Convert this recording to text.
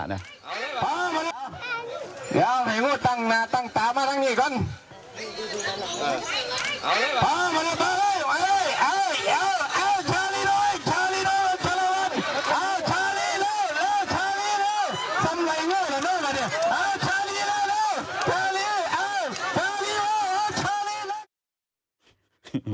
ชาลีน้อยชาลีน้อย